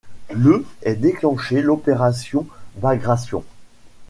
Le est déclenchée l'opération Bagration.